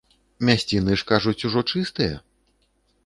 Мясціны ж, кажуць, ужо чыстыя?